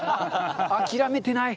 諦めてない。